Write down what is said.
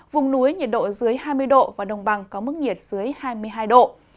vùng núi nhiệt độ dưới hai mươi độ và đồng bằng có mức nhiệt dưới hai mươi hai độ